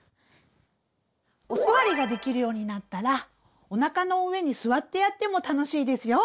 お座りができるようになったらおなかの上に座ってやっても楽しいですよ。